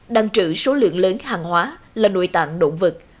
đang trữ số lượng lớn hàng hóa là nội tạng động vật